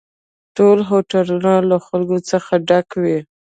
ټول هوټلونه له خلکو څخه ډک وي